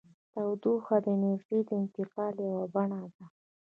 تودوخه د انرژۍ د انتقال یوه بڼه ده.